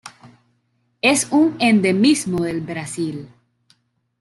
Es un endemismo del Brasil.